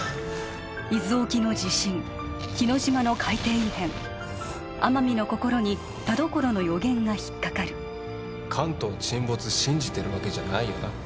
伊豆沖の地震日之島の海底異変天海の心に田所の予言が引っかかる関東沈没信じてるわけじゃないよな？